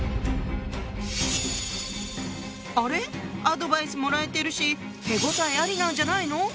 アドバイスもらえてるし手応えありなんじゃないの？